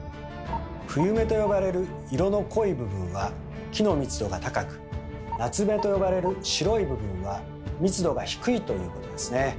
「冬目」と呼ばれる色の濃い部分は木の密度が高く「夏目」と呼ばれる白い部分は密度が低いということですね。